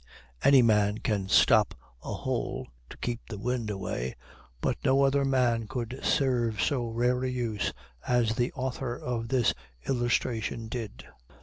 Any man can stop a hole to keep the wind away, but no other man could serve so rare a use as the author of this illustration did.